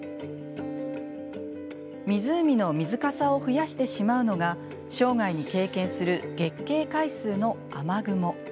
湖の水かさを増やしてしまうのが生涯に経験する月経回数の雨雲。